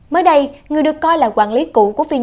mới đây người được coi là quản lý cũ của phi nhung